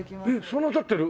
そんなに経ってる？